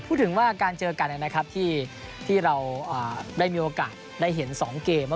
พูดถึงว่าการเจอกันที่เราได้มีโอกาสได้เห็น๒เกม